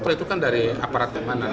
itu kan dari aparat kemana